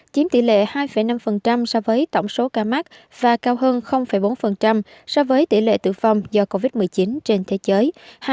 chiếm tỷ lệ hai năm so với tổng số ca mắc và cao hơn bốn so với tỷ lệ tử vong do covid một mươi chín trên thế giới